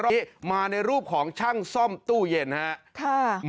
นี่มาในรูปของช่างซ่อมตู้เย็นครับ